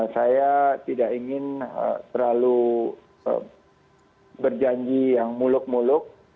saya tidak ingin terlalu berjanji yang muluk muluk